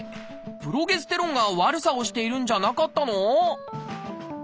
プロゲステロンが悪さをしているんじゃなかったの？